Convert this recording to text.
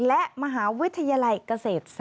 และมหาวิทยาลัยเกษตรศาสตร์